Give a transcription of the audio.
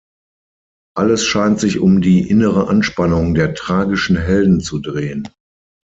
Alles scheint sich um die innere Anspannung der tragischen Helden zu drehen.